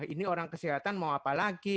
ini orang kesehatan mau apa lagi